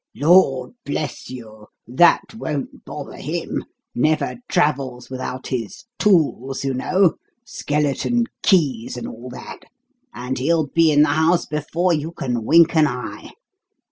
"Lord bless you, that won't bother him! Never travels without his tools, you know skeleton keys, and all that and he'll be in the house before you can wink an eye.